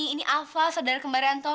ini alva saudara kembar antoni